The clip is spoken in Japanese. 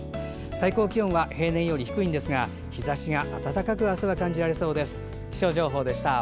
最高気温は平年より低いんですが日ざしが暖かく明日は感じられそうです。